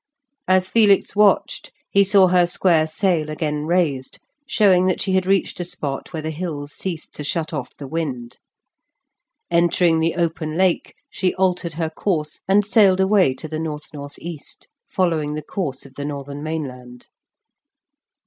As Felix watched he saw her square sail again raised, showing that she had reached a spot where the hills ceased to shut off the wind. Entering the open Lake she altered her course and sailed away to the north north east, following the course of the northern mainland.